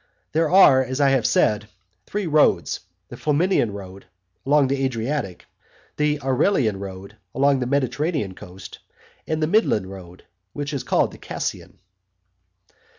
There are, as I have said, three roads, the Flaminian road, along the Adriatic, the Aurelian road, along the Mediterranean coast, the Midland road, which is called the Cassian.